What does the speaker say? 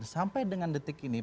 sampai dengan detik ini